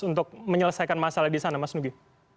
untuk menyelesaikan masalah di sana mas nugi